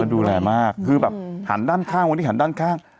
ดูแลมากคือแบบหันด้านข้างวันนี้หันด้านข้าง